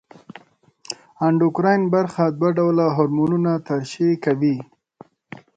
اندوکراین برخه دوه ډوله هورمونونه ترشح کوي.